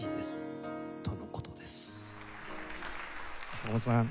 坂本さん